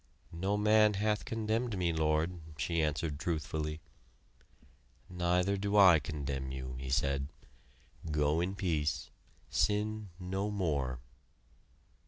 "No man hath condemned me, Lord," she answered truthfully. "Neither do I condemn you," He said. "Go in peace sin no more!"